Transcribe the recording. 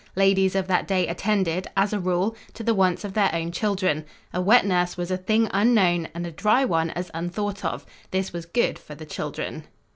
Ladies of that day attended, as a rule, to the wants of their own children. A wet nurse was a thing unknown and a dry one as unthought of. This was good for the children.